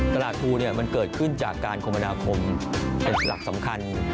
ตลาดภูมันเกิดขึ้นจากการคมนาคมเป็นหลักสำคัญ